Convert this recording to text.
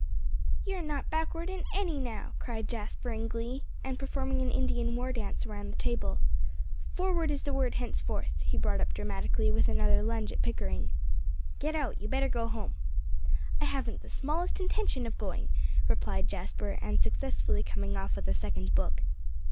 "You are not backward in any now," cried Jasper in glee, and performing an Indian war dance around the table. "Forward is the word henceforth," he brought up dramatically with another lunge at Pickering. "Get out. You better go home." "I haven't the smallest intention of going," replied Jasper, and successfully coming off with a second book.